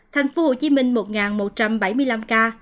thành phố hồ chí minh một một trăm bảy mươi năm ca